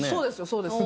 そうです。